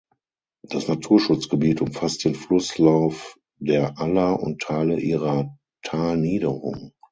Das Naturschutzgebiet umfasst den Flusslauf der Aller und Teile ihrer Talniederung.